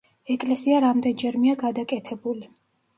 ეკლესია რამდენჯერმეა გადაკეთებული.